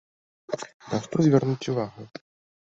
На што звярнуць увагу?